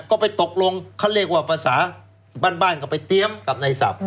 ก็ไปตกลงเขาเรียกว่าภาษาบ้านก็ไปเตรียมกับในศัพท์